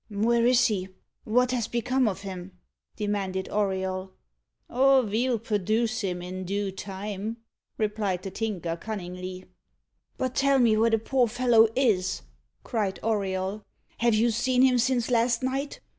"Where is he? what has become of him?" demanded Auriol. "Oh, ve'll perduce him in doo time," replied the Tinker cunningly. "But tell me where the poor fellow is?" cried Auriol. "Have you seen him since last night?